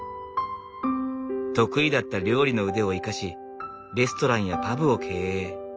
得意だった料理の腕を生かしレストランやパブを経営。